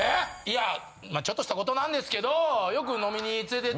いやまあちょっとした事なんですけど。